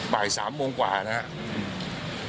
บ่าย๓โมงกว่านะครับ